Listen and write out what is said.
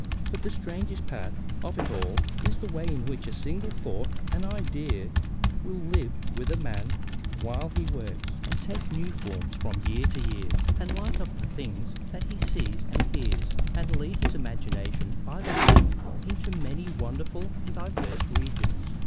But the strangest part of it all is the way in which a single thought, an idea, will live with a man while he works, and take new forms from year to year, and light up the things that he sees and hears, and lead his imagination by the hand into many wonderful and diverse regions.